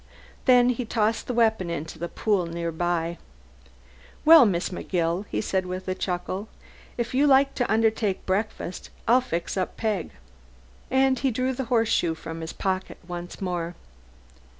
Then he tossed the weapon into the pool near by. "Well, Miss McGill," he said with a chuckle, "if you like to undertake breakfast, I'll fix up Peg." And he drew the horse shoe from his pocket once more.